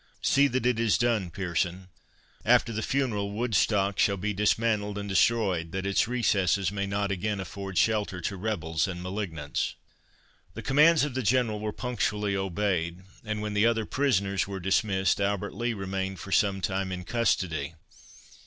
See that it is done, Pearson. After the funeral, Woodstock shall be dismantled and destroyed, that its recesses may not again afford shelter to rebels and malignants." The commands of the General were punctually obeyed, and when the other prisoners were dismissed, Albert Lee remained for some time in custody.